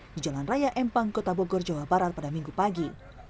di jalan raya empang kota bogor jawa barat pada minggu pagi